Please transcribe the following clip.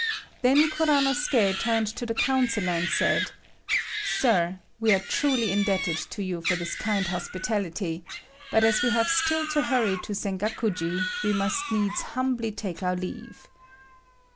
Then Kuranosuké turned to the councillor and said, "Sir, we are truly indebted to you for this kind hospitality; but as we have still to hurry to Sengakuji, we must needs humbly take our leave."